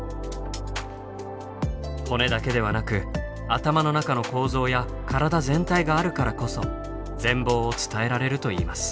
骨だけではなく頭の中の構造や体全体があるからこそ全貌を伝えられるといいます。